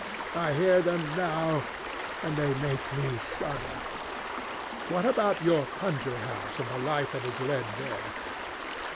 I hear them now, and they make me shudder. What about your country house and the life that is led there?